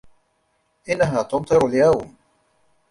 آنها تمطر اليوم.